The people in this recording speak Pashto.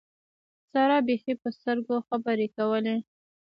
سارا بېخي په سترګو خبرې کولې.